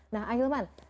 nah akhil mas